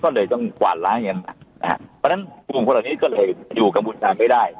ก็เลยต้องกว่านล้างอย่างงั้นนะครับเพราะฉะนั้นภูมิพวกเหล่านี้ก็เลยอยู่กับกรรมบุญชาติไม่ได้